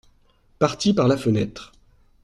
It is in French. Parti par la fenêtre.